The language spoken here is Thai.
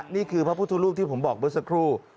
นี่คือพระพุทธรูปที่ผมบอกเมื่อสักครู่